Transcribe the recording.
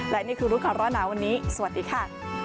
และนี่คือรู้ก่อนร้อนหนาวันนี้สวัสดีค่ะ